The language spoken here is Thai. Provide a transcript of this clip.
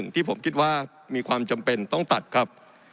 ที่ผมคิดว่ามีความจำเป็นต้องตัดครับ